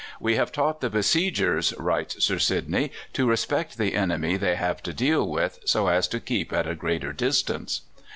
"We have taught the besiegers," writes Sir Sidney, "to respect the enemy they have to deal with, so as to keep at a greater distance."